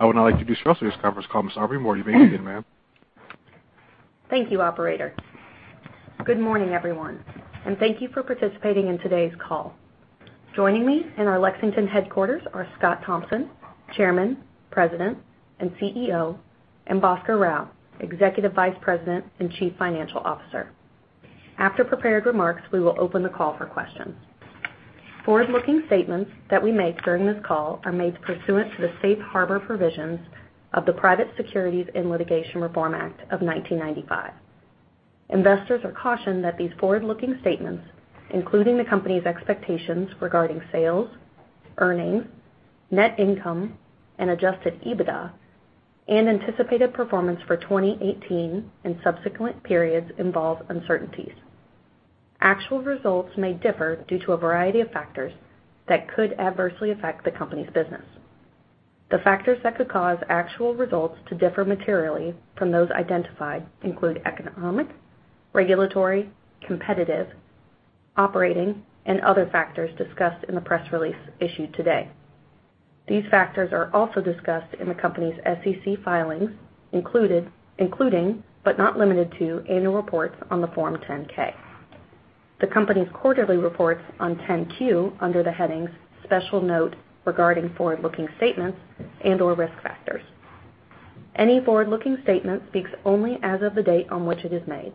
I would now like to introduce for today's conference call, Ms. Aubrey Moore. You may begin, ma'am. Thank you, operator. Good morning, everyone. Thank you for participating in today's call. Joining me in our Lexington headquarters are Scott Thompson, Chairman, President, and CEO, and Bhaskar Rao, Executive Vice President and Chief Financial Officer. After prepared remarks, we will open the call for questions. Forward-looking statements that we make during this call are made pursuant to the safe harbor provisions of the Private Securities Litigation Reform Act of 1995. Investors are cautioned that these forward-looking statements, including the company's expectations regarding sales, earnings, net income and adjusted EBITDA, and anticipated performance for 2018 and subsequent periods involve uncertainties. Actual results may differ due to a variety of factors that could adversely affect the company's business. The factors that could cause actual results to differ materially from those identified include economic, regulatory, competitive, operating, and other factors discussed in the press release issued today. These factors are also discussed in the company's SEC filings including, but not limited to annual reports on the Form 10-K. The company's quarterly reports on 10-Q under the headings "Special Note Regarding Forward-Looking Statements" and/or "Risk Factors." Any forward-looking statement speaks only as of the date on which it is made.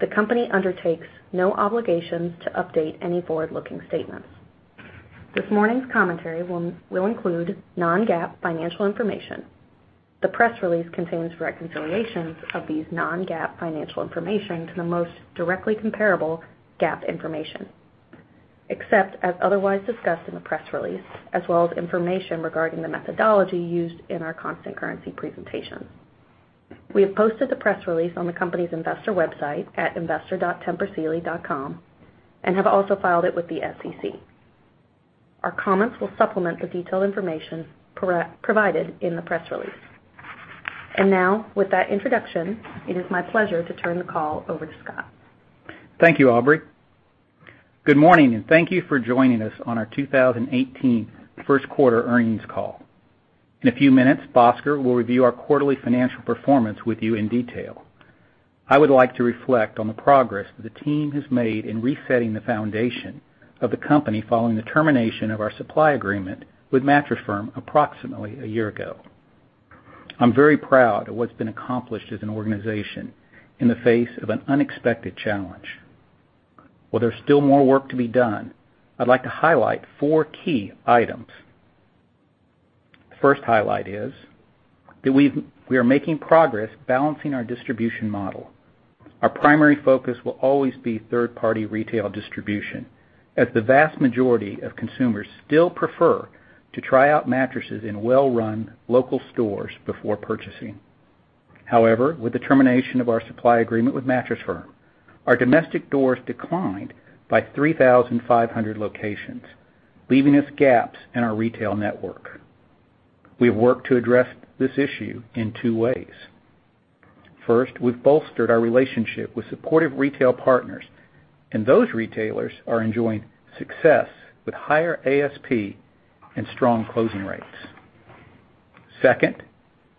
The company undertakes no obligations to update any forward-looking statements. This morning's commentary will include non-GAAP financial information. The press release contains reconciliations of these non-GAAP financial information to the most directly comparable GAAP information, except as otherwise discussed in the press release, as well as information regarding the methodology used in our constant currency presentations. We have posted the press release on the company's investor website at investor.tempursealy.com and have also filed it with the SEC. Our comments will supplement the detailed information provided in the press release. Now, with that introduction, it is my pleasure to turn the call over to Scott. Thank you, Aubrey. Good morning, and thank you for joining us on our 2018 first quarter earnings call. In a few minutes, Bhaskar will review our quarterly financial performance with you in detail. I would like to reflect on the progress that the team has made in resetting the foundation of the company following the termination of our supply agreement with Mattress Firm approximately a year ago. I'm very proud of what's been accomplished as an organization in the face of an unexpected challenge. While there's still more work to be done, I'd like to highlight four key items. The first highlight is that we are making progress balancing our distribution model. Our primary focus will always be third-party retail distribution, as the vast majority of consumers still prefer to try out mattresses in well-run local stores before purchasing. With the termination of our supply agreement with Mattress Firm, our domestic doors declined by 3,500 locations, leaving us gaps in our retail network. We have worked to address this issue in two ways. First, we've bolstered our relationship with supportive retail partners, and those retailers are enjoying success with higher ASP and strong closing rates. Second,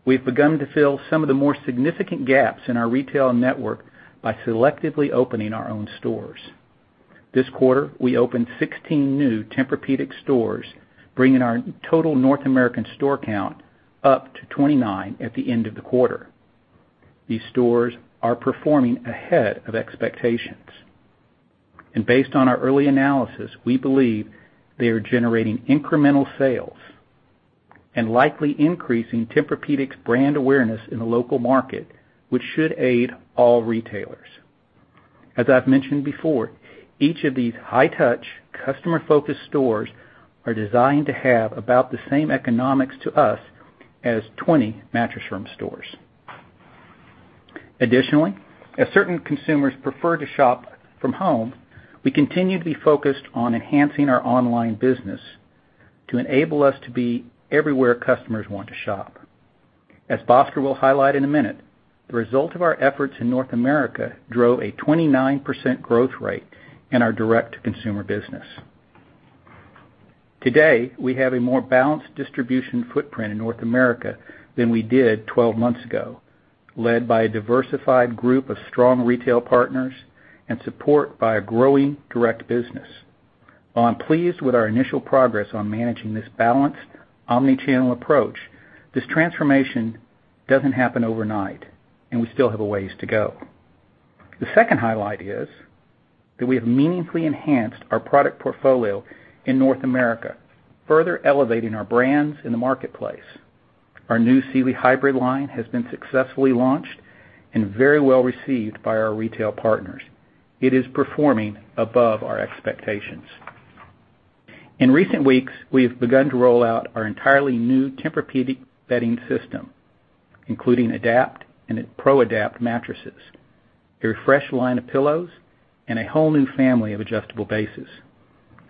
we've begun to fill some of the more significant gaps in our retail network by selectively opening our own stores. This quarter, we opened 16 new Tempur-Pedic stores, bringing our total North American store count up to 29 at the end of the quarter. These stores are performing ahead of expectations. Based on our early analysis, we believe they are generating incremental sales and likely increasing Tempur-Pedic's brand awareness in the local market, which should aid all retailers. As I've mentioned before, each of these high-touch, customer-focused stores are designed to have about the same economics to us as 20 Mattress Firm stores. Additionally, as certain consumers prefer to shop from home, we continue to be focused on enhancing our online business to enable us to be everywhere customers want to shop. As Bhaskar will highlight in a minute, the result of our efforts in North America drove a 29% growth rate in our direct-to-consumer business. Today, we have a more balanced distribution footprint in North America than we did 12 months ago, led by a diversified group of strong retail partners and support by a growing direct business. While I'm pleased with our initial progress on managing this balanced omni-channel approach, this transformation doesn't happen overnight, and we still have a ways to go. The second highlight is that we have meaningfully enhanced our product portfolio in North America, further elevating our brands in the marketplace. Our new Sealy Hybrid line has been successfully launched and very well received by our retail partners. It is performing above our expectations. In recent weeks, we have begun to roll out our entirely new Tempur-Pedic bedding system, including Adapt and ProAdapt mattresses, a refreshed line of pillows, and a whole new family of adjustable bases.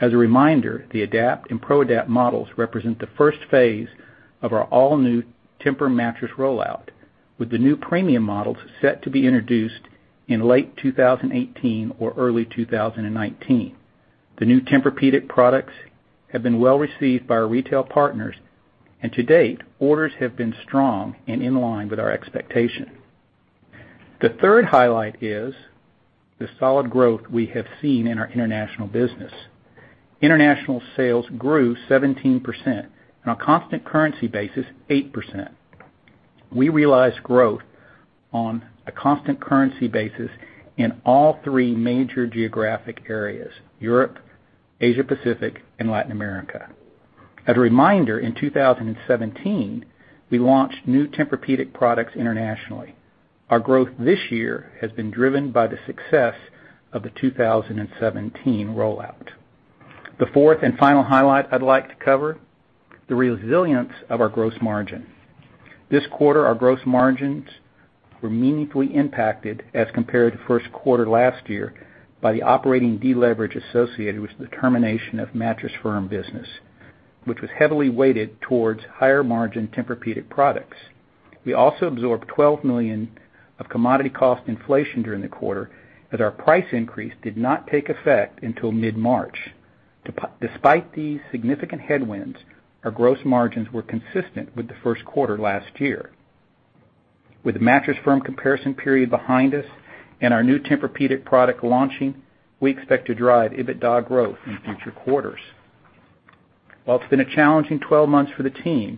As a reminder, the Adapt and ProAdapt models represent the first phase of our all-new Tempur mattress rollout, with the new premium models set to be introduced in late 2018 or early 2019. The new Tempur-Pedic products have been well-received by our retail partners, and to date, orders have been strong and in line with our expectations. The third highlight is the solid growth we have seen in our international business. International sales grew 17%, on a constant currency basis, 8%. We realized growth on a constant currency basis in all three major geographic areas, Europe, Asia Pacific, and Latin America. As a reminder, in 2017, we launched new Tempur-Pedic products internationally. Our growth this year has been driven by the success of the 2017 rollout. The fourth and final highlight I'd like to cover, the resilience of our gross margin. This quarter, our gross margins were meaningfully impacted as compared to first quarter last year by the operating deleverage associated with the termination of Mattress Firm business, which was heavily weighted towards higher margin Tempur-Pedic products. We also absorbed $12 million of commodity cost inflation during the quarter, as our price increase did not take effect until mid-March. Despite these significant headwinds, our gross margins were consistent with the first quarter last year. With Mattress Firm comparison period behind us and our new Tempur-Pedic product launching, we expect to drive EBITDA growth in future quarters. While it's been a challenging 12 months for the team,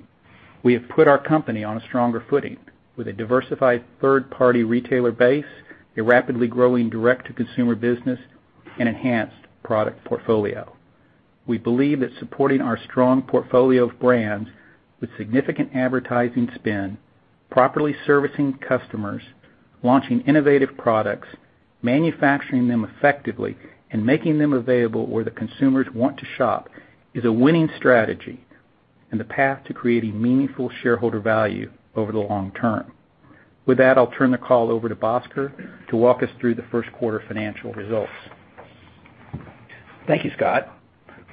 we have put our company on a stronger footing with a diversified third-party retailer base, a rapidly growing direct-to-consumer business, and enhanced product portfolio. We believe that supporting our strong portfolio of brands with significant advertising spend, properly servicing customers, launching innovative products, manufacturing them effectively, and making them available where the consumers want to shop is a winning strategy and the path to creating meaningful shareholder value over the long term. With that, I'll turn the call over to Bhaskar to walk us through the first quarter financial results. Thank you, Scott.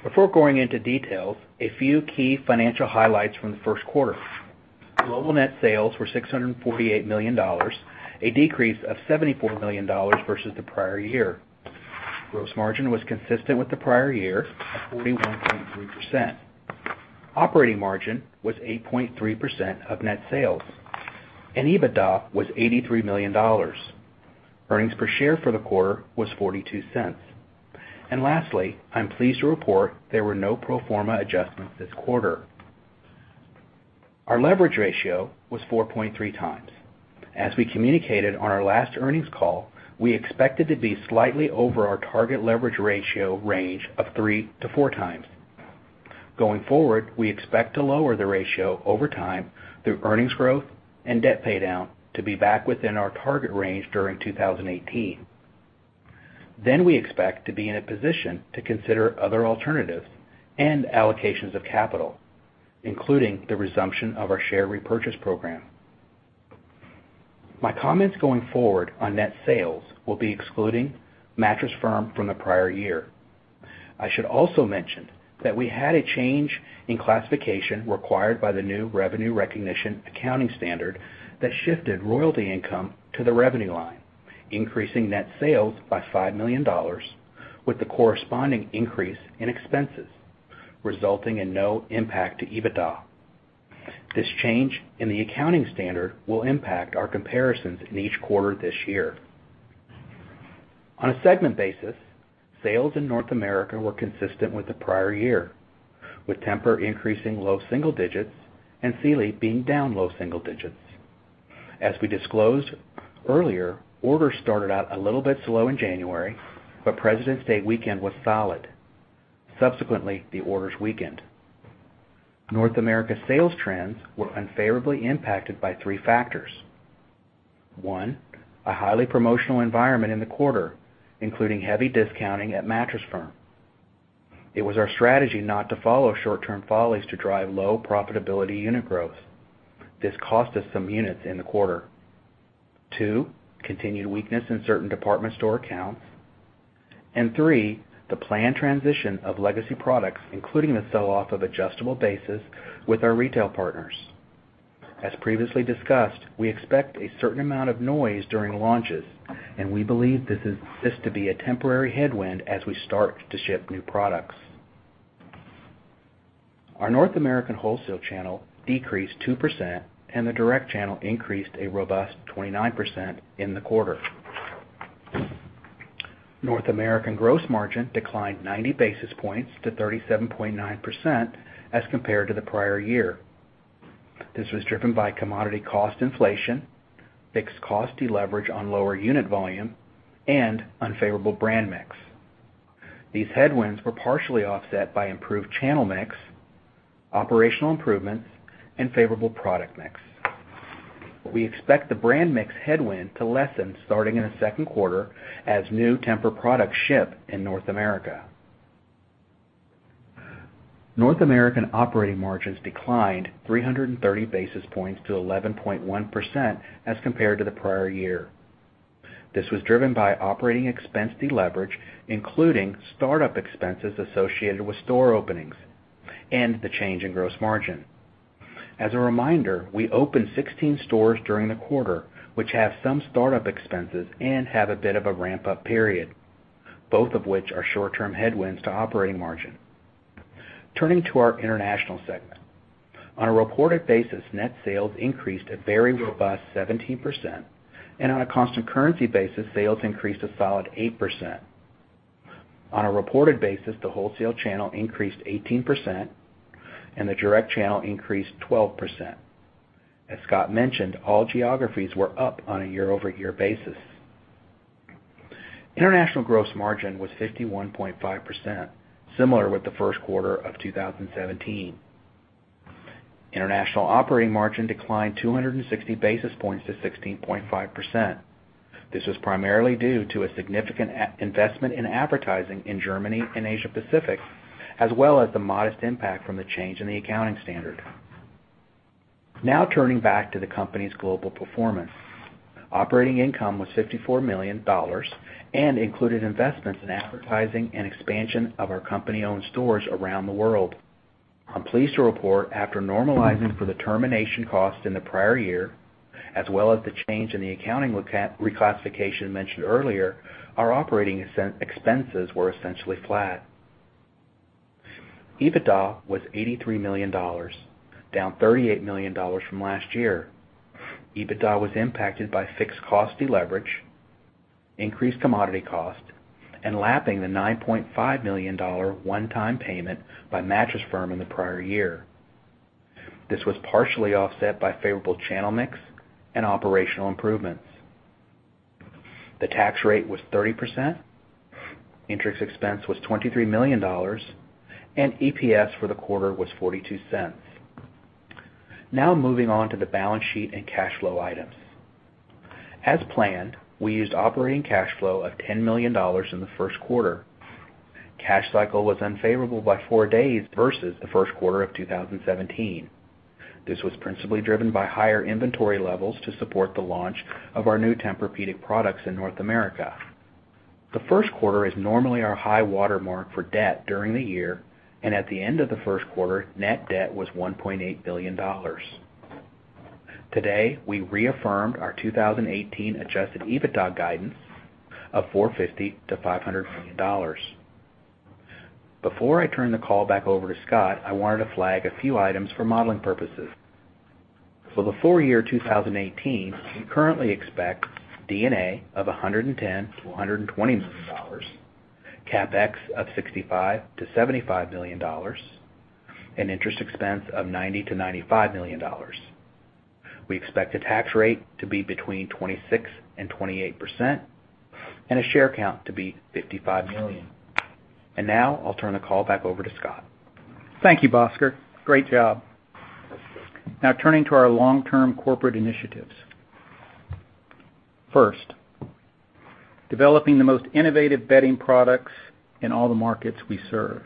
Before going into details, a few key financial highlights from the first quarter. Global net sales were $648 million, a decrease of $74 million versus the prior year. Gross margin was consistent with the prior year at 41.3%. Operating margin was 8.3% of net sales, and EBITDA was $83 million. Earnings per share for the quarter was $0.42. Lastly, I'm pleased to report there were no pro forma adjustments this quarter. Our leverage ratio was 4.3 times. As we communicated on our last earnings call, we expected to be slightly over our target leverage ratio range of three to four times. Going forward, we expect to lower the ratio over time through earnings growth and debt paydown to be back within our target range during 2018. We expect to be in a position to consider other alternatives and allocations of capital, including the resumption of our share repurchase program. My comments going forward on net sales will be excluding Mattress Firm from the prior year. I should also mention that we had a change in classification required by the new revenue recognition accounting standard that shifted royalty income to the revenue line, increasing net sales by $5 million with a corresponding increase in expenses, resulting in no impact to EBITDA. This change in the accounting standard will impact our comparisons in each quarter this year. On a segment basis, sales in North America were consistent with the prior year, with Tempur increasing low single digits and Sealy being down low single digits. As we disclosed earlier, orders started out a little bit slow in January. Presidents' Day weekend was solid. Subsequently, the orders weakened. North America sales trends were unfavorably impacted by three factors. One, a highly promotional environment in the quarter, including heavy discounting at Mattress Firm. It was our strategy not to follow short-term follies to drive low profitability unit growth. This cost us some units in the quarter. Two, continued weakness in certain department store accounts. Three, the planned transition of legacy products, including the sell-off of adjustable bases with our retail partners. As previously discussed, we expect a certain amount of noise during launches, and we believe this to be a temporary headwind as we start to ship new products. Our North American wholesale channel decreased 2% and the direct channel increased a robust 29% in the quarter. North American gross margin declined 90 basis points to 37.9% as compared to the prior year. This was driven by commodity cost inflation, fixed cost deleverage on lower unit volume, and unfavorable brand mix. These headwinds were partially offset by improved channel mix, operational improvements, and favorable product mix. We expect the brand mix headwind to lessen starting in the second quarter as new Tempur products ship in North America. North American operating margins declined 330 basis points to 11.1% as compared to the prior year. This was driven by operating expense deleverage, including startup expenses associated with store openings and the change in gross margin. As a reminder, we opened 16 stores during the quarter, which have some startup expenses and have a bit of a ramp-up period, both of which are short-term headwinds to operating margin. Turning to our International segment. On a reported basis, net sales increased a very robust 17%, on a constant currency basis, sales increased a solid 8%. On a reported basis, the wholesale channel increased 18% and the direct channel increased 12%. As Scott mentioned, all geographies were up on a year-over-year basis. International gross margin was 51.5%, similar with the first quarter of 2017. International operating margin declined 260 basis points to 16.5%. This was primarily due to a significant investment in advertising in Germany and Asia Pacific, as well as the modest impact from the change in the accounting standard. Turning back to the company's global performance. Operating income was $54 million and included investments in advertising and expansion of our company-owned stores around the world. I'm pleased to report, after normalizing for the termination cost in the prior year, as well as the change in the accounting reclassification mentioned earlier, our operating expenses were essentially flat. EBITDA was $83 million, down $38 million from last year. EBITDA was impacted by fixed cost deleverage, increased commodity cost, and lapping the $9.5 million one-time payment by Mattress Firm in the prior year. This was partially offset by favorable channel mix and operational improvements. The tax rate was 30%, interest expense was $23 million, and EPS for the quarter was $0.42. Moving on to the balance sheet and cash flow items. As planned, we used operating cash flow of $10 million in the first quarter. Cash cycle was unfavorable by four days versus the first quarter of 2017. This was principally driven by higher inventory levels to support the launch of our new Tempur-Pedic products in North America. The first quarter is normally our high-water mark for debt during the year, and at the end of the first quarter, net debt was $1.8 billion. Today, we reaffirmed our 2018 adjusted EBITDA guidance of $450 million-$500 million. Before I turn the call back over to Scott, I wanted to flag a few items for modeling purposes. For the full year 2018, we currently expect D&A of $110 million-$120 million, CapEx of $65 million-$75 million, and interest expense of $90 million-$95 million. We expect the tax rate to be between 26%-28%, and a share count to be 55 million. Now I'll turn the call back over to Scott. Thank you, Bhaskar. Great job. Now turning to our long-term corporate initiatives. First, developing the most innovative bedding products in all the markets we serve.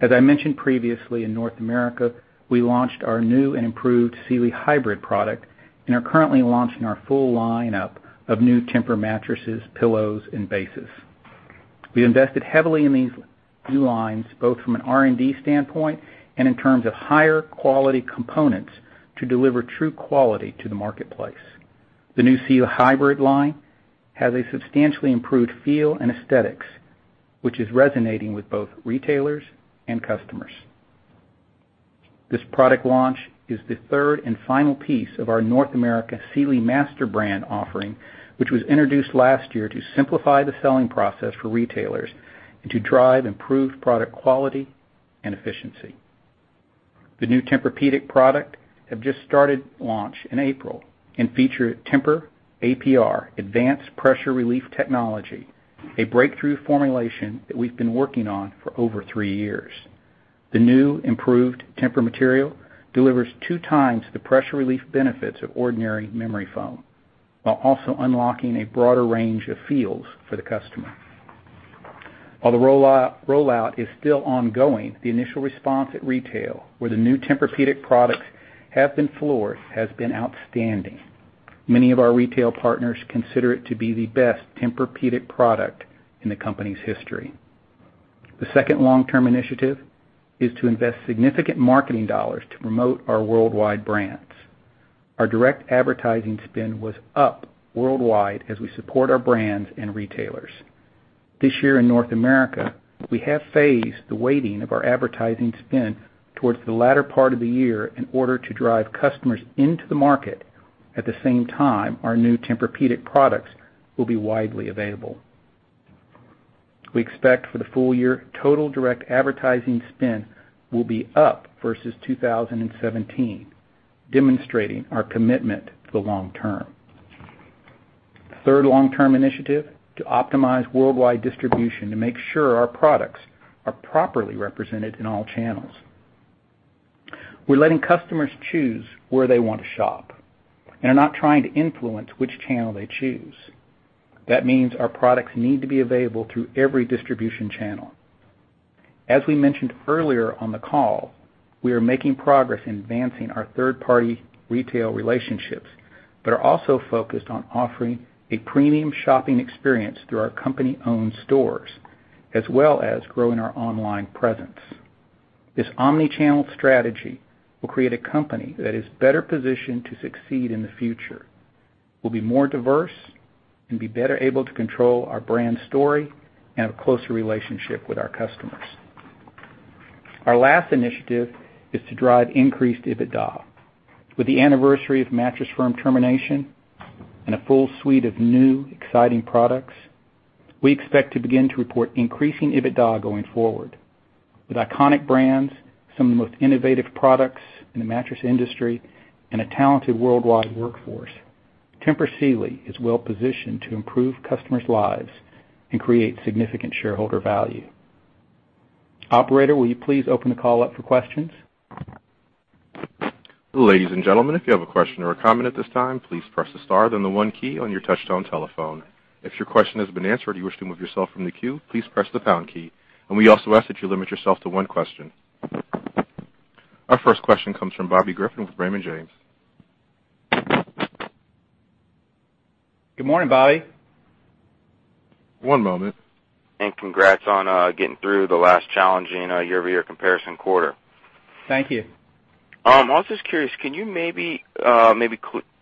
As I mentioned previously, in North America, we launched our new and improved Sealy Hybrid product and are currently launching our full lineup of new Tempur mattresses, pillows, and bases. We invested heavily in these new lines, both from an R&D standpoint and in terms of higher-quality components to deliver true quality to the marketplace. The new Sealy Hybrid line has a substantially improved feel and aesthetics, which is resonating with both retailers and customers. This product launch is the third and final piece of our North America Sealy master brand offering, which was introduced last year to simplify the selling process for retailers and to drive improved product quality and efficiency. The new Tempur-Pedic product have just started launch in April and feature TEMPUR-APR Advanced Pressure Relief technology, a breakthrough formulation that we've been working on for over three years. The new improved Tempur material delivers two times the pressure relief benefits of ordinary memory foam while also unlocking a broader range of feels for the customer. While the rollout is still ongoing, the initial response at retail where the new Tempur-Pedic products have been floored has been outstanding. Many of our retail partners consider it to be the best Tempur-Pedic product in the company's history. The second long-term initiative is to invest significant marketing dollars to promote our worldwide brands. Our direct advertising spend was up worldwide as we support our brands and retailers. This year in North America, we have phased the weighting of our advertising spend towards the latter part of the year in order to drive customers into the market at the same time our new Tempur-Pedic products will be widely available. We expect for the full year total direct advertising spend will be up versus 2017, demonstrating our commitment to the long term. Third long-term initiative, to optimize worldwide distribution to make sure our products are properly represented in all channels. We're letting customers choose where they want to shop and are not trying to influence which channel they choose. That means our products need to be available through every distribution channel. As we mentioned earlier on the call, we are making progress in advancing our third-party retail relationships but are also focused on offering a premium shopping experience through our company-owned stores. As well as growing our online presence. This omni-channel strategy will create a company that is better positioned to succeed in the future. We'll be more diverse and be better able to control our brand story and have a closer relationship with our customers. Our last initiative is to drive increased EBITDA. With the anniversary of Mattress Firm termination and a full suite of new exciting products, we expect to begin to report increasing EBITDA going forward. With iconic brands, some of the most innovative products in the mattress industry, and a talented worldwide workforce, Tempur Sealy is well positioned to improve customers' lives and create significant shareholder value. Operator, will you please open the call up for questions? Ladies and gentlemen, if you have a question or a comment at this time, please press the star, then the one key on your touchtone telephone. If your question has been answered or you wish to move yourself from the queue, please press the pound key. We also ask that you limit yourself to one question. Our first question comes from Bobby Griffin with Raymond James. Good morning, Bobby. One moment. Congrats on getting through the last challenging year-over-year comparison quarter. Thank you. I was just curious, can you maybe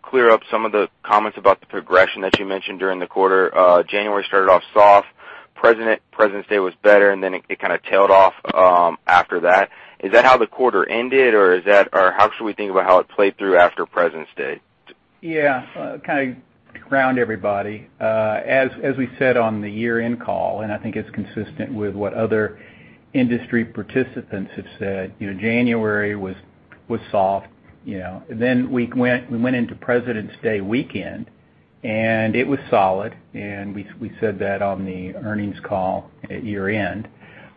clear up some of the comments about the progression that you mentioned during the quarter? January started off soft. President's Day was better, and then it kind of tailed off after that. Is that how the quarter ended or how should we think about how it played through after President's Day? Kind of ground everybody. As we said on the year-end call, and I think it's consistent with what other industry participants have said, January was soft. We went into President's Day weekend, and it was solid, and we said that on the earnings call at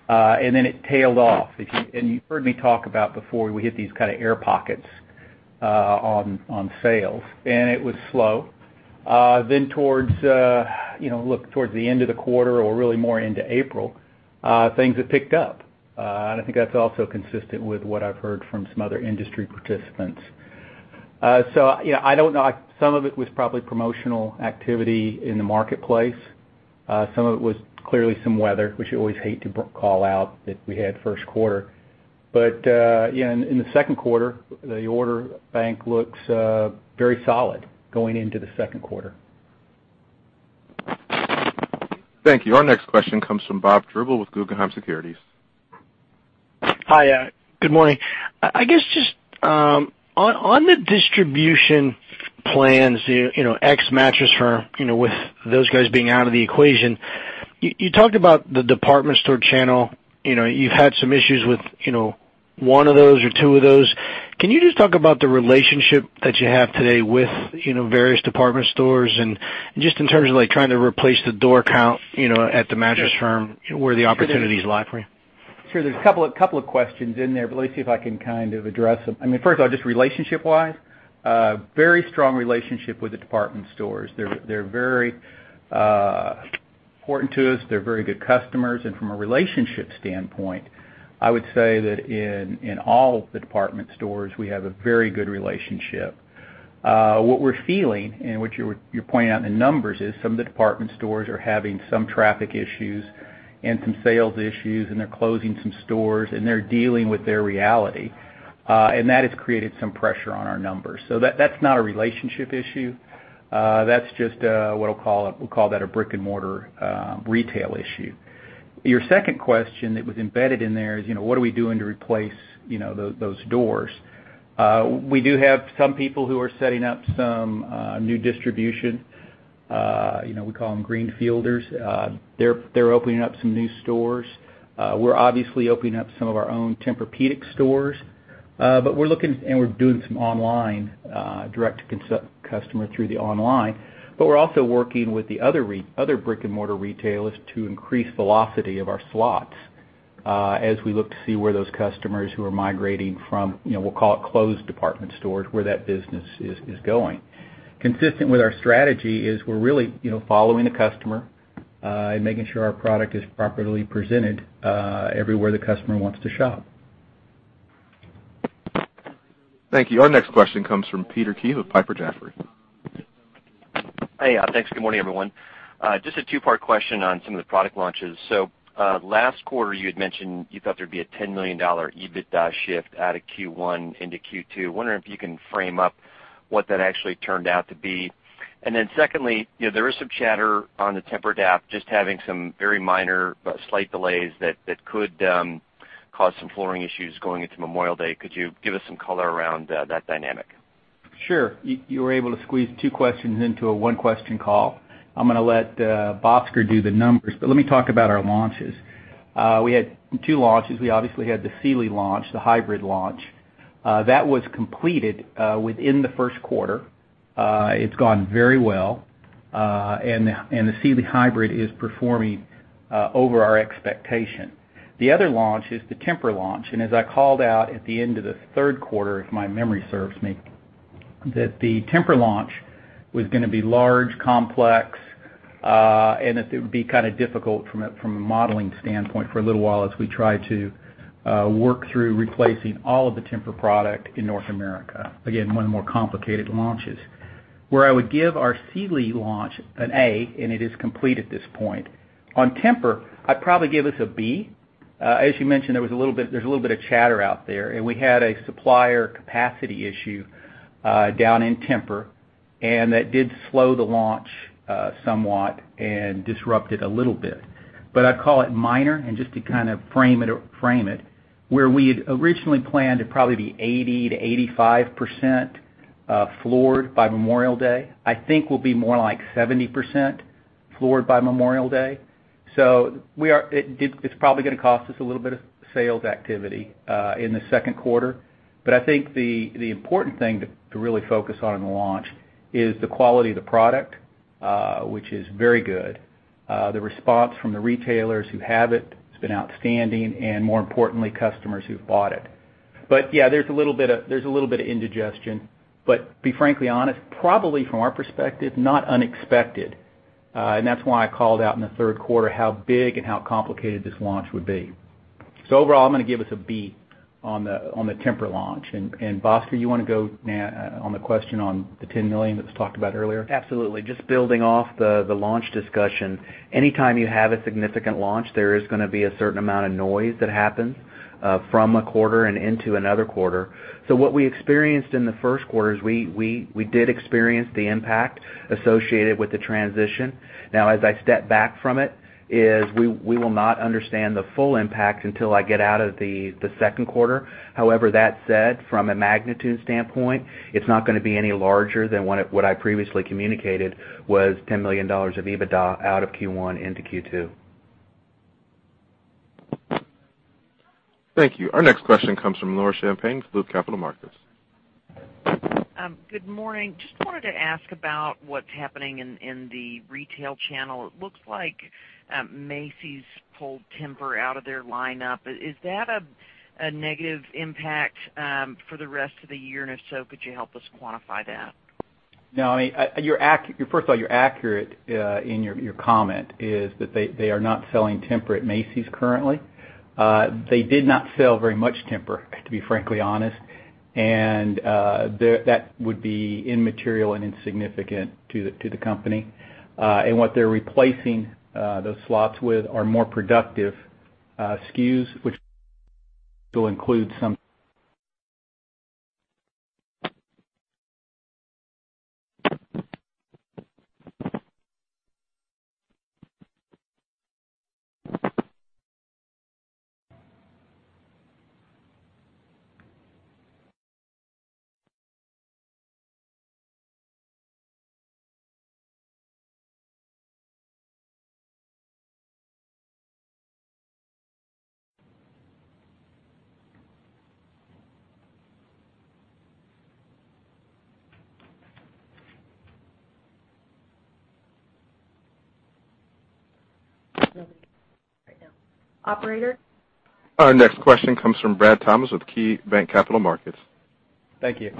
year-end. Then it tailed off. You've heard me talk about before, we hit these kind of air pockets on sales, and it was slow. Towards the end of the quarter or really more into April, things have picked up. I think that's also consistent with what I've heard from some other industry participants. Yeah, I don't know. Some of it was probably promotional activity in the marketplace. Some of it was clearly some weather, which you always hate to call out, that we had first quarter. In the second quarter, the order bank looks very solid going into the second quarter. Thank you. Our next question comes from Bob Drbul with Guggenheim Securities. Hi. Good morning. I guess just on the distribution plans, ex Mattress Firm, with those guys being out of the equation, you talked about the department store channel. You've had some issues with one of those or two of those. Can you just talk about the relationship that you have today with various department stores and just in terms of trying to replace the door count at the Mattress Firm, where the opportunities lie for you? Sure. There's a couple of questions in there, let me see if I can kind of address them. First of all, just relationship wise, very strong relationship with the department stores. They're very important to us. They're very good customers. From a relationship standpoint, I would say that in all the department stores, we have a very good relationship. What we're feeling and what you're pointing out in the numbers is some of the department stores are having some traffic issues and some sales issues, and they're closing some stores and they're dealing with their reality. That has created some pressure on our numbers. That's not a relationship issue. That's just what we'll call that a brick-and-mortar retail issue. Your second question that was embedded in there is what are we doing to replace those doors? We do have some people who are setting up some new distribution. We call them greenfielders. They are opening up some new stores. We are obviously opening up some of our own Tempur-Pedic stores. We are doing some online direct to customer through the online. We are also working with the other brick-and-mortar retailers to increase velocity of our slots as we look to see where those customers who are migrating from, we will call it closed department stores, where that business is going. Consistent with our strategy is we are really following the customer and making sure our product is properly presented everywhere the customer wants to shop. Thank you. Our next question comes from Peter Keith of Piper Jaffray. Hey. Thanks. Good morning, everyone. A two-part question on some of the product launches. Last quarter, you had mentioned you thought there would be a $10 million EBITDA shift out of Q1 into Q2. Wondering if you can frame up what that actually turned out to be. Secondly, there is some chatter on the TEMPUR-Adapt just having some very minor but slight delays that could cause some flooring issues going into Memorial Day. Could you give us some color around that dynamic? Sure. You were able to squeeze two questions into a one-question call. I am going to let Bhaskar do the numbers, let me talk about our launches. We had two launches. We obviously had the Sealy launch, the hybrid launch. That was completed within the first quarter. It is gone very well. The Sealy Hybrid is performing over our expectation. The other launch is the Tempur launch. As I called out at the end of the third quarter, if my memory serves me, that the Tempur launch was going to be large, complex, and that it would be kind of difficult from a modeling standpoint for a little while as we try to work through replacing all of the Tempur product in North America. Again, one of the more complicated launches. Where I would give our Sealy launch an A, it is complete at this point. On Tempur, I'd probably give us a B. As you mentioned, there's a little bit of chatter out there, and we had a supplier capacity issue down in Tempur, and that did slow the launch somewhat and disrupt it a little bit. I'd call it minor, and just to kind of frame it, where we had originally planned to probably be 80%-85% floored by Memorial Day, I think we'll be more like 70% floored by Memorial Day. It's probably going to cost us a little bit of sales activity in the second quarter. I think the important thing to really focus on in the launch is the quality of the product, which is very good. The response from the retailers who have it has been outstanding, and more importantly, customers who've bought it. Yeah, there's a little bit of indigestion. To be frankly honest, probably from our perspective, not unexpected. That's why I called out in the third quarter how big and how complicated this launch would be. Overall, I'm going to give us a B on the Tempur launch. Bhaskar, you want to go on the question on the $10 million that was talked about earlier? Absolutely. Just building off the launch discussion. Anytime you have a significant launch, there is going to be a certain amount of noise that happens from a quarter and into another quarter. What we experienced in the first quarter is we did experience the impact associated with the transition. Now, as I step back from it, is we will not understand the full impact until I get out of the second quarter. However, that said, from a magnitude standpoint, it's not going to be any larger than what I previously communicated was $10 million of EBITDA out of Q1 into Q2. Thank you. Our next question comes from Laura Champine with Capital Markets. Good morning. Just wanted to ask about what's happening in the retail channel. It looks like Macy's pulled Tempur out of their lineup. Is that a negative impact for the rest of the year? If so, could you help us quantify that? No. First of all, you're accurate in your comment, is that they are not selling Tempur at Macy's currently. They did not sell very much Tempur, to be frankly honest, and that would be immaterial and insignificant to the company. What they're replacing those slots with are more productive SKUs, which will include some Operator? Our next question comes from Brad Thomas with KeyBanc Capital Markets. Thank you.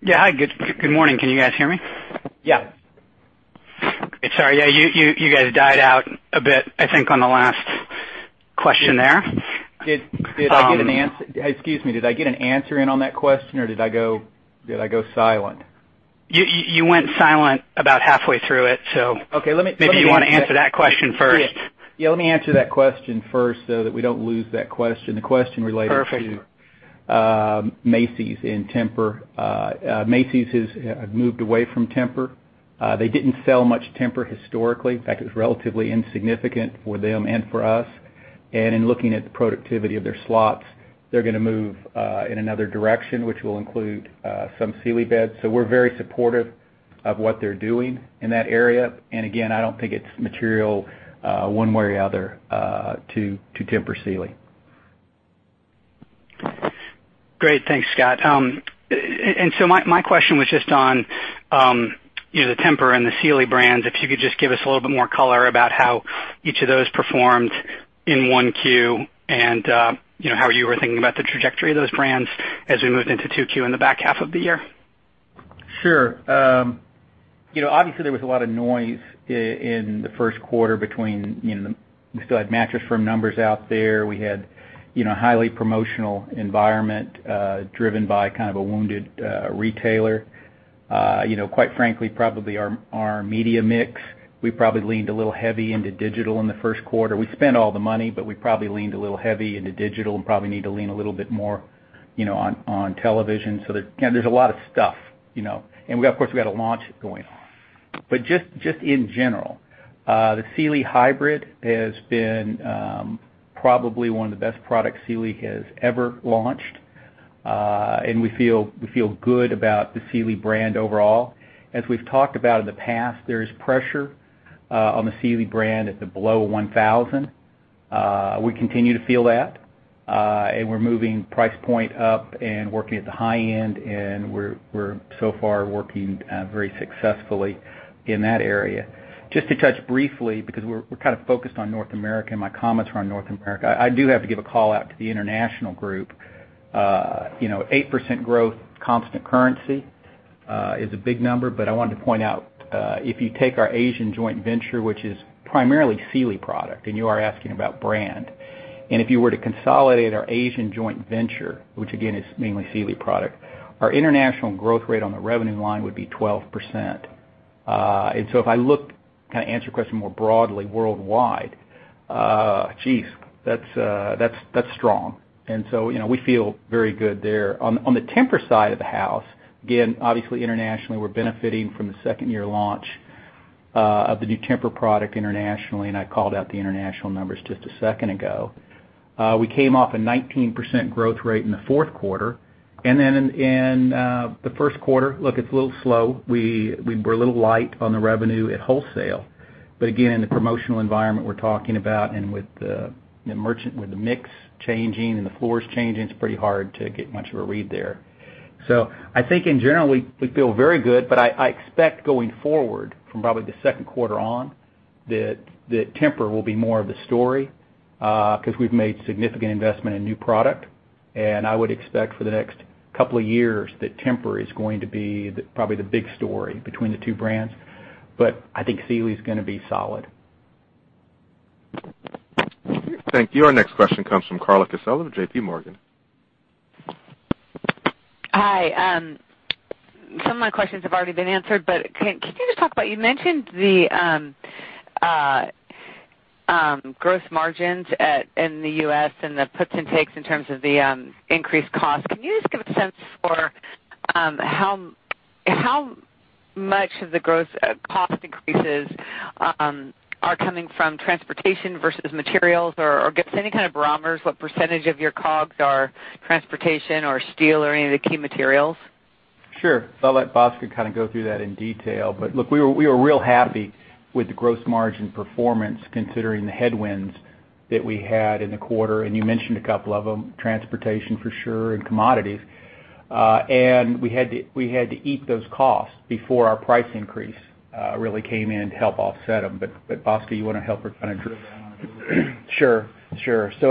Yeah. Hi. Good morning. Can you guys hear me? Yeah. Sorry. Yeah, you guys died out a bit, I think, on the last question there. Excuse me, did I get an answer in on that question, or did I go silent? You went silent about halfway through it. Okay. Maybe you want to answer that question first. Yeah, let me answer that question first so that we don't lose that question. The question related- Perfect to Macy's and Tempur. Macy's has moved away from Tempur. They didn't sell much Tempur historically. In fact, it was relatively insignificant for them and for us. In looking at the productivity of their slots, they're going to move in another direction, which will include some Sealy beds. We're very supportive of what they're doing in that area. Again, I don't think it's material one way or the other to Tempur Sealy. Great. Thanks, Scott. My question was just on the Tempur and the Sealy brands, if you could just give us a little bit more color about how each of those performed in 1Q and how you were thinking about the trajectory of those brands as we moved into 2Q and the back half of the year. Sure. Obviously, there was a lot of noise in the first quarter between we still had Mattress Firm numbers out there. We had highly promotional environment driven by kind of a wounded retailer. Quite frankly, probably our media mix, we probably leaned a little heavy into digital in the first quarter. We spent all the money, we probably leaned a little heavy into digital and probably need to lean a little bit more on television. There's a lot of stuff. Of course, we've got a launch going on. Just in general, the Sealy Hybrid has been probably one of the best products Sealy has ever launched. We feel good about the Sealy brand overall. As we've talked about in the past, there is pressure on the Sealy brand at the below $1,000. We continue to feel that, we're moving price point up and working at the high end, we're so far working very successfully in that area. Just to touch briefly, because we're kind of focused on North America and my comments were on North America, I do have to give a call out to the international group. 8% growth constant currency is a big number, I wanted to point out, if you take our Asian joint venture, which is primarily Sealy product, you are asking about brand, if you were to consolidate our Asian joint venture, which again is mainly Sealy product, our international growth rate on the revenue line would be 12%. If I look, kind of answer your question more broadly worldwide, jeez, that's strong. We feel very good there. On the Tempur side of the house, again, obviously internationally, we're benefiting from the second year launch of the new Tempur product internationally, I called out the international numbers just a second ago. We came off a 19% growth rate in the fourth quarter, in the first quarter, look, it's a little slow. We were a little light on the revenue at wholesale. Again, the promotional environment we're talking about and with the mix changing and the floors changing, it's pretty hard to get much of a read there. I think in general, we feel very good, I expect going forward from probably the second quarter on, that Tempur will be more of the story, because we've made significant investment in new product. I would expect for the next couple of years that Tempur is going to be probably the big story between the two brands. I think Sealy's going to be solid. Thank you. Our next question comes from Cristina Casella of JP Morgan. Hi. Some of my questions have already been answered, can you just talk about, you mentioned the gross margins in the U.S. and the puts and takes in terms of the increased cost. Can you just give a sense for how much of the gross cost increases are coming from transportation versus materials? Give us any kind of barometers, what percentage of your COGS are transportation or steel or any of the key materials? Sure. I'll let Bhaskar kind of go through that in detail. Look, we were real happy with the gross margin performance considering the headwinds that we had in the quarter, you mentioned a couple of them, transportation for sure, commodities. We had to eat those costs before our price increase really came in to help offset them. Bhaskar, you want to help with kind of? Sure.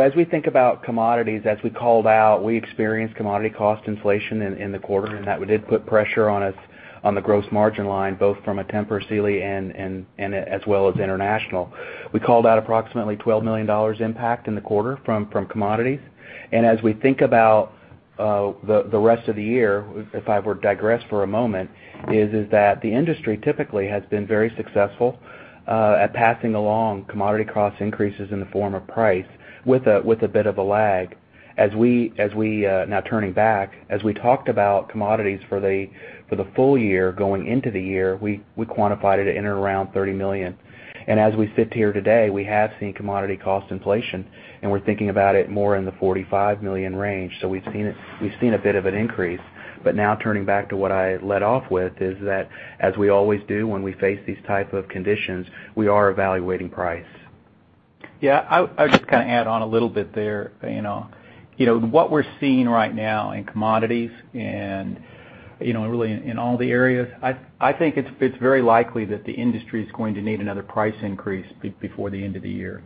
As we think about commodities, as we called out, we experienced commodity cost inflation in the quarter, that did put pressure on the gross margin line, both from a Tempur Sealy and as well as international. We called out approximately $12 million impact in the quarter from commodities. As we think about the rest of the year, if I were to digress for a moment, is that the industry typically has been very successful at passing along commodity cost increases in the form of price with a bit of a lag. Now turning back, as we talked about commodities for the full year going into the year, we quantified it in or around $30 million. As we sit here today, we have seen commodity cost inflation, we're thinking about it more in the $45 million range. We've seen a bit of an increase. Now turning back to what I led off with is that as we always do when we face these type of conditions, we are evaluating price. Yeah, I would just kind of add on a little bit there. What we're seeing right now in commodities and really in all the areas, I think it's very likely that the industry's going to need another price increase before the end of the year.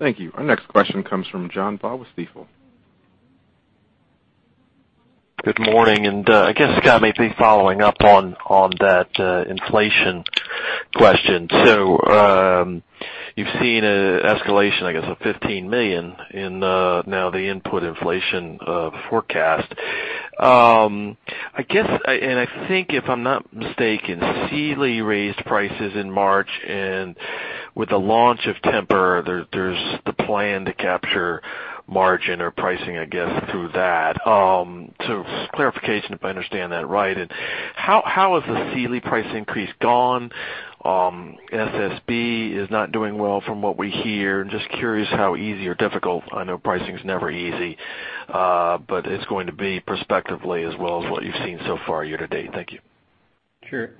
Thank you. Our next question comes from John Baur with Stifel. Good morning, I guess, Scott, maybe following up on that inflation question. You've seen an escalation, I guess, of $15 million in now the input inflation forecast. I think if I'm not mistaken, Sealy raised prices in March and with the launch of Tempur, there's the plan to capture margin or pricing, I guess, through that. Clarification if I understand that right. How has the Sealy price increase gone? SSB is not doing well from what we hear. Just curious how easy or difficult, I know pricing's never easy, but it's going to be perspectively as well as what you've seen so far year to date. Thank you. Sure.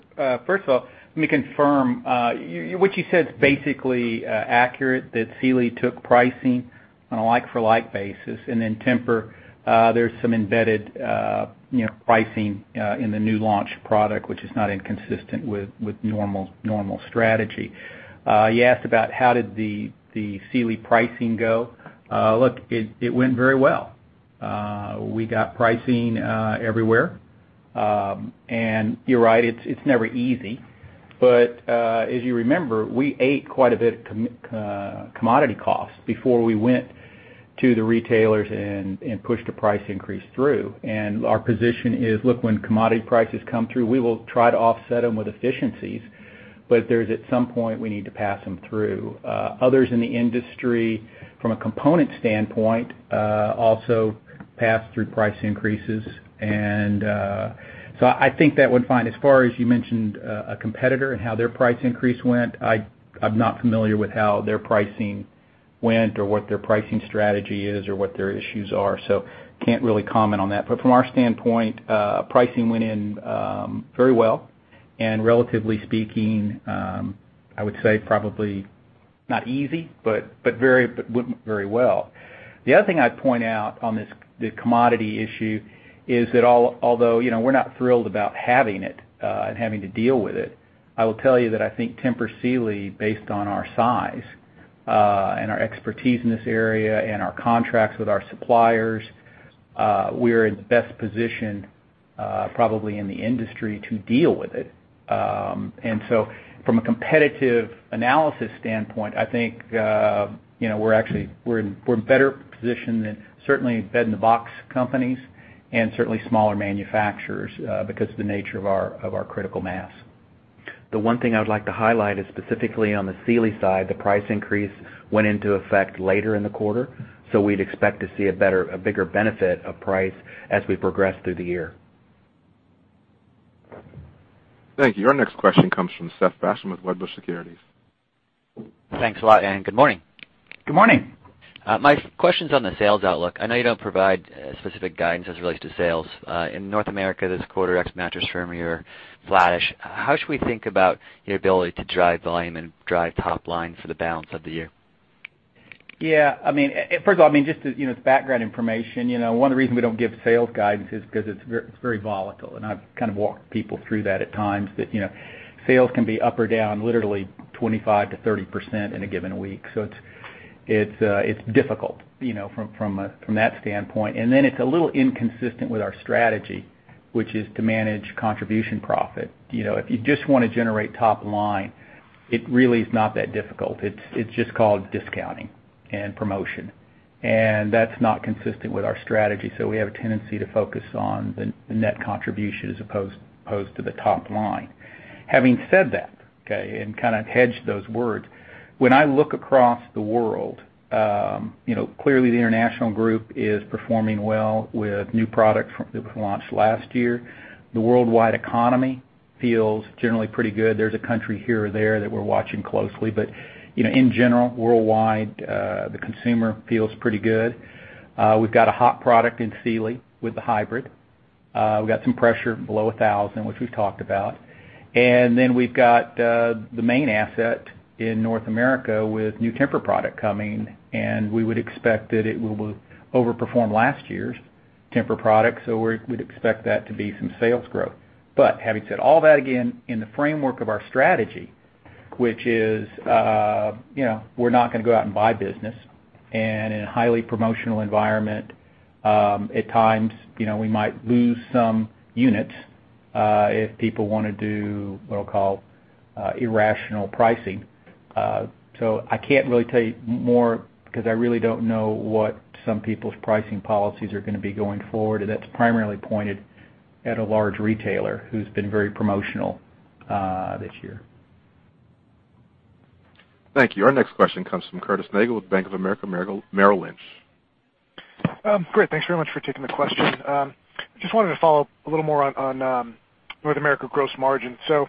First of all, let me confirm. What you said's basically accurate, that Sealy took pricing on a like for like basis, then Tempur, there's some embedded pricing in the new launch product which is not inconsistent with normal strategy. You asked about how did the Sealy pricing go. Look, it went very well. We got pricing everywhere. You're right, it's never easy. As you remember, we ate quite a bit of commodity costs before we went to the retailers and pushed the price increase through. Our position is, look, when commodity prices come through, we will try to offset them with efficiencies, but there's at some point, we need to pass them through. Others in the industry from a component standpoint, also passed through price increases. I think that went fine. As far as you mentioned a competitor and how their price increase went, I'm not familiar with how their pricing went or what their pricing strategy is or what their issues are. Can't really comment on that. From our standpoint, pricing went in very well, and relatively speaking, I would say probably not easy, but went very well. The other thing I'd point out on the commodity issue is that although we're not thrilled about having it, and having to deal with it, I will tell you that I think Tempur Sealy, based on our size, and our expertise in this area and our contracts with our suppliers, we're in the best position, probably in the industry to deal with it. From a competitive analysis standpoint, I think we're in a better position than certainly bed in a box companies and certainly smaller manufacturers because of the nature of our critical mass. The one thing I would like to highlight is specifically on the Sealy side, the price increase went into effect later in the quarter. We'd expect to see a bigger benefit of price as we progress through the year. Thank you. Our next question comes from Seth Basham with Wedbush Securities. Thanks a lot and good morning. Good morning. My question's on the sales outlook. I know you don't provide specific guidance as it relates to sales. In North America this quarter, ex Mattress Firm, you're flattish. How should we think about your ability to drive volume and drive top line for the balance of the year? First of all, just as background information, one of the reasons we don't give sales guidance is because it's very volatile, and I've kind of walked people through that at times. Sales can be up or down literally 25%-30% in a given week. It's difficult from that standpoint. It's a little inconsistent with our strategy, which is to manage contribution profit. If you just want to generate top line, it really is not that difficult. It's just called discounting and promotion. That's not consistent with our strategy, so we have a tendency to focus on the net contribution as opposed to the top line. Having said that, okay, and kind of hedged those words, when I look across the world, clearly the international group is performing well with new product that was launched last year. The worldwide economy feels generally pretty good. There's a country here or there that we're watching closely, in general, worldwide, the consumer feels pretty good. We've got a hot product in Sealy with the hybrid. We've got some pressure below $1,000, which we've talked about. We've got the main asset in North America with new Tempur product coming, and we would expect that it will overperform last year's Tempur product. We'd expect that to be some sales growth. Having said all that, again, in the framework of our strategy, which is we're not going to go out and buy business, and in a highly promotional environment, at times we might lose some units if people want to do what I'll call irrational pricing. I can't really tell you more because I really don't know what some people's pricing policies are going to be going forward, and that's primarily pointed at a large retailer who's been very promotional this year. Thank you. Our next question comes from Curtis Nagle with Bank of America Merrill Lynch. Thanks very much for taking the question. Just wanted to follow up a little more on North America gross margin. As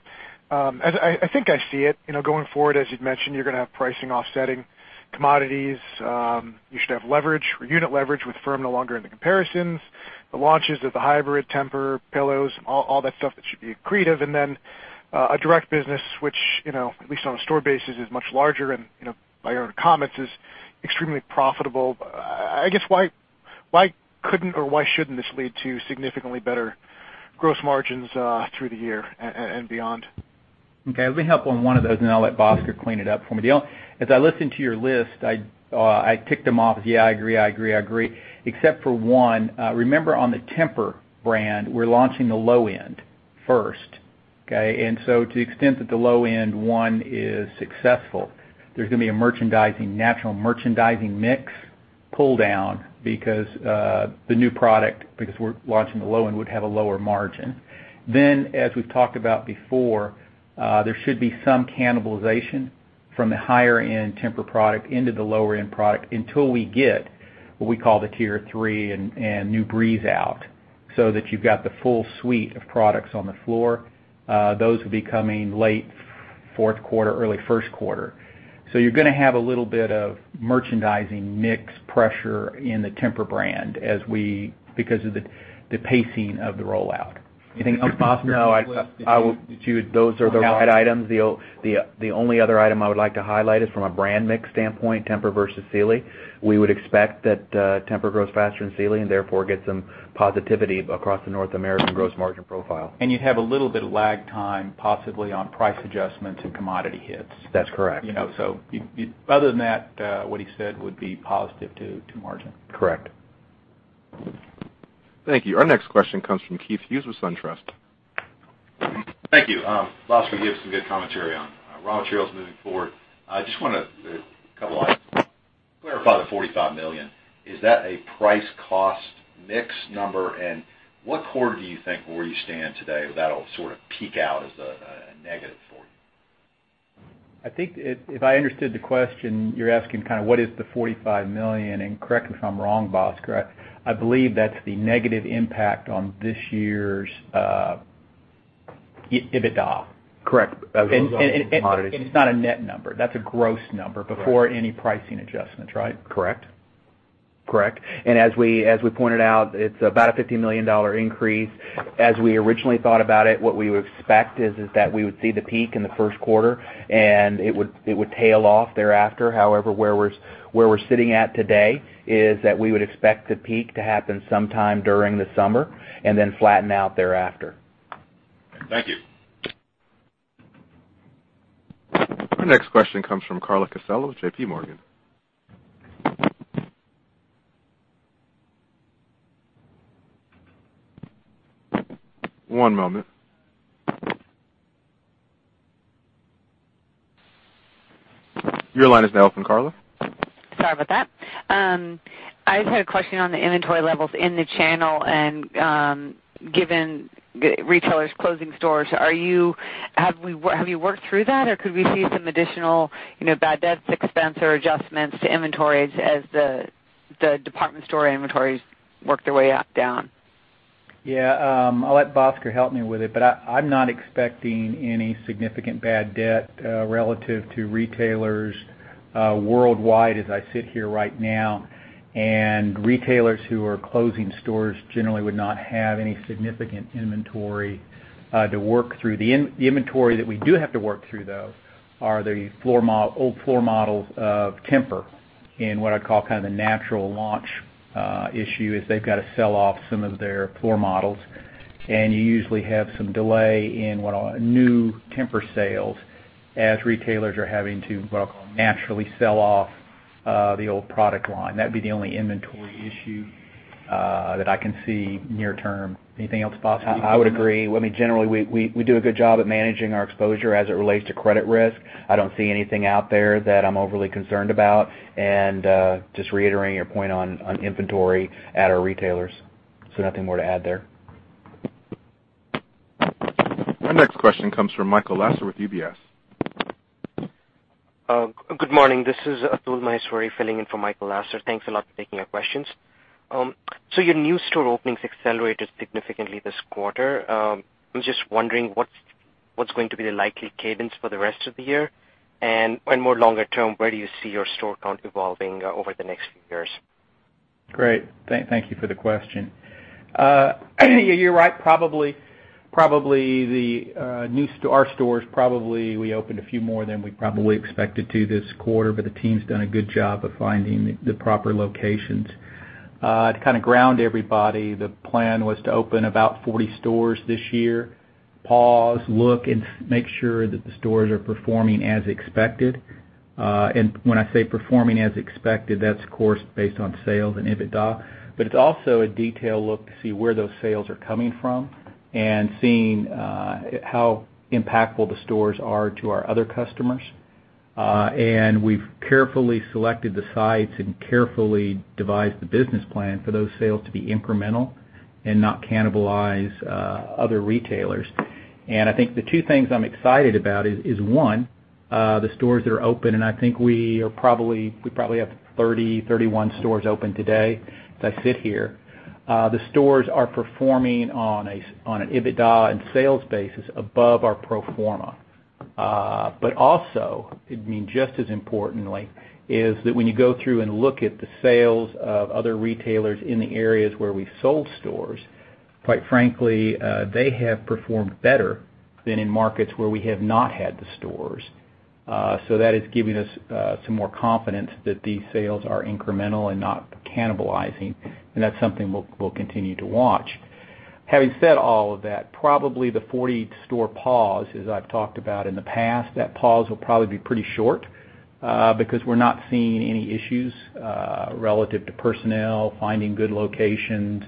I think I see it, going forward, as you'd mentioned, you're going to have pricing offsetting commodities. You should have leverage or unit leverage with Mattress Firm no longer in the comparisons, the launches of the hybrid Tempur pillows, all that stuff that should be accretive. A direct business which, at least on a store basis, is much larger and by your own comments is extremely profitable. I guess why couldn't or why shouldn't this lead to significantly better gross margins through the year and beyond? Okay. Let me help on one of those, I'll let Bhaskar clean it up for me. As I listened to your list, I ticked them off as, yeah, I agree. Except for one. Remember on the Tempur brand, we're launching the low end first. Okay? To the extent that the low end one is successful, there's going to be a natural merchandising mix pull down because the new product, because we're launching the low end, would have a lower margin. As we've talked about before, there should be some cannibalization from the higher end Tempur product into the lower end product until we get what we call the tier 3 and new Breeze out so that you've got the full suite of products on the floor. Those will be coming late fourth quarter, early first quarter. You're going to have a little bit of merchandising mix pressure in the Tempur brand because of the pacing of the rollout. Anything else, Bhaskar? No. Those are the right items. The only other item I would like to highlight is from a brand mix standpoint, Tempur versus Sealy. We would expect that Tempur grows faster than Sealy and therefore get some positivity across the North American gross margin profile. You'd have a little bit of lag time possibly on price adjustments and commodity hits. That's correct. Other than that, what he said would be positive to margin. Correct. Thank you. Our next question comes from Keith Hughes with SunTrust. Thank you. Bhaskar, you have some good commentary on raw materials moving forward. I just want to clarify the $45 million. Is that a price cost mix number? What quarter do you think, where you stand today, will that all sort of peak out as a negative for you? I think if I understood the question, you're asking kind of what is the $45 million, and correct me if I'm wrong, Bhaskar, I believe that's the negative impact on this year's EBITDA. Correct. It's not a net number. That's a gross number before any pricing adjustments, right? Correct. As we pointed out, it's about a $50 million increase. As we originally thought about it, what we would expect is that we would see the peak in the first quarter, and it would tail off thereafter. However, where we're sitting at today is that we would expect the peak to happen sometime during the summer and then flatten out thereafter. Thank you. Our next question comes from Cristina Casella with JP Morgan. One moment. Your line is now open, Carla. Sorry about that. I just had a question on the inventory levels in the channel and given retailers closing stores, have you worked through that or could we see some additional bad debts expense or adjustments to inventories as the department store inventories work their way down? Yeah. I'll let Bhaskar help me with it, but I'm not expecting any significant bad debt relative to retailers worldwide as I sit here right now, and retailers who are closing stores generally would not have any significant inventory to work through. The inventory that we do have to work through, though, are the old floor models of Tempur in what I call the natural launch issue, is they've got to sell off some of their floor models, and you usually have some delay in what are new Tempur sales as retailers are having to, what I call, naturally sell off the old product line. That'd be the only inventory issue that I can see near term. Anything else, Bhaskar, you can add? I would agree. Generally, we do a good job at managing our exposure as it relates to credit risk. I don't see anything out there that I'm overly concerned about and just reiterating your point on inventory at our retailers. Nothing more to add there. Our next question comes from Michael Lasser with UBS. Good morning. This is Atul Maheshwari filling in for Michael Lasser. Thanks a lot for taking our questions. Your new store openings accelerated significantly this quarter. I'm just wondering what's going to be the likely cadence for the rest of the year and, more longer term, where do you see your store count evolving over the next few years? Great. Thank you for the question. You're right. Our stores, probably we opened a few more than we probably expected to this quarter, but the team's done a good job of finding the proper locations. To ground everybody, the plan was to open about 40 stores this year, pause, look, and make sure that the stores are performing as expected. When I say performing as expected, that's of course based on sales and EBITDA, but it's also a detailed look to see where those sales are coming from and seeing how impactful the stores are to our other customers. We've carefully selected the sites and carefully devised the business plan for those sales to be incremental and not cannibalize other retailers. I think the two things I'm excited about is, one, the stores that are open, I think we probably have 30, 31 stores open today as I sit here. The stores are performing on an EBITDA and sales basis above our pro forma. Also, just as importantly, is that when you go through and look at the sales of other retailers in the areas where we've sold stores, quite frankly, they have performed better than in markets where we have not had the stores. That is giving us some more confidence that these sales are incremental and not cannibalizing, and that's something we'll continue to watch. Having said all of that, probably the 40-store pause, as I've talked about in the past, that pause will probably be pretty short because we're not seeing any issues relative to personnel, finding good locations,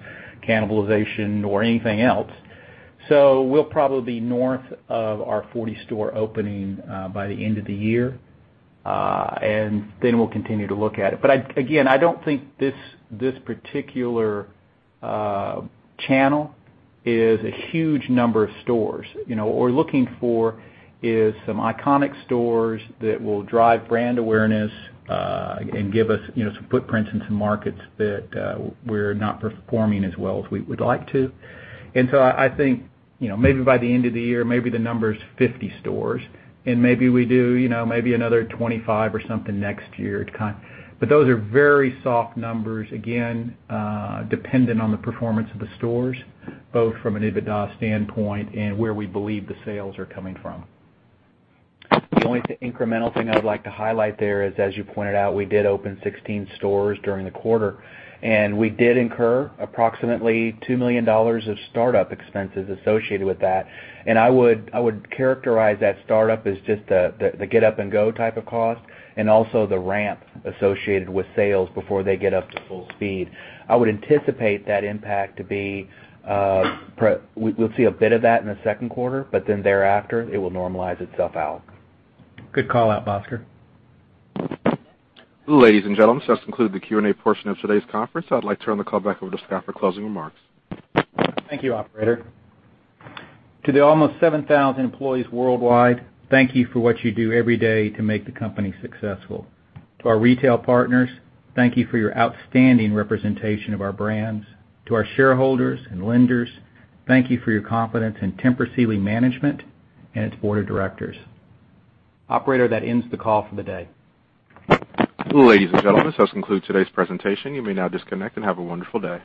cannibalization, or anything else. We'll probably be north of our 40-store opening by the end of the year, and then we'll continue to look at it. Again, I don't think this particular channel is a huge number of stores. What we're looking for is some iconic stores that will drive brand awareness and give us some footprints into markets that we're not performing as well as we would like to. I think, maybe by the end of the year, maybe the number's 50 stores, and maybe we do maybe another 25 or something next year. Those are very soft numbers, again, dependent on the performance of the stores, both from an EBITDA standpoint and where we believe the sales are coming from. The only incremental thing I would like to highlight there is, as you pointed out, we did open 16 stores during the quarter, and we did incur approximately $2 million of startup expenses associated with that. I would characterize that startup as just the get-up-and-go type of cost, and also the ramp associated with sales before they get up to full speed. I would anticipate that impact to be we'll see a bit of that in the second quarter, thereafter, it will normalize itself out. Good call out, Bhaskar. Ladies and gentlemen, this concludes the Q&A portion of today's conference. I'd like to turn the call back over to staff for closing remarks. Thank you, operator. To the almost 7,000 employees worldwide, thank you for what you do every day to make the company successful. To our retail partners, thank you for your outstanding representation of our brands. To our shareholders and lenders, thank you for your confidence in Tempur Sealy management and its board of directors. Operator, that ends the call for the day. Ladies and gentlemen, this concludes today's presentation. You may now disconnect, and have a wonderful day.